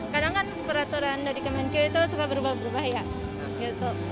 kadang kan peraturan dari kemenkyu itu suka berubah berubah ya gitu